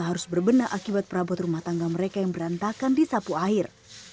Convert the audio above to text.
harus berbenah akibat perabot rumah tangga mereka yang berantakan di sapu air